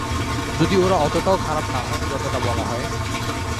যদি ওরা অতটাও খারাপ না হয়, যতটা বলা হয়?